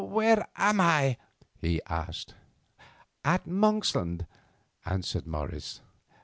"Where am I?" he asked. "At Monksland," answered Morris.